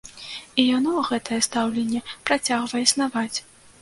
І яно, гэтае стаўленне, працягвае існаваць.